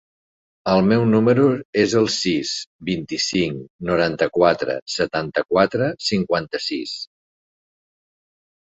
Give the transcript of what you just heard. El meu número es el sis, vint-i-cinc, noranta-quatre, setanta-quatre, cinquanta-sis.